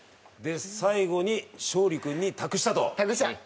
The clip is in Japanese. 最後に勝利君に託したと。